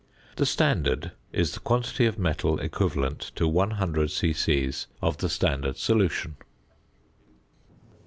The "standard" is the quantity of metal equivalent to 100 c.c. of the standard solution.